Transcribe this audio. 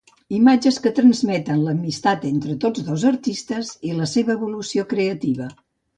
Imatges que transmeten l’amistat entre tots dos artistes i la seva evolució creativa.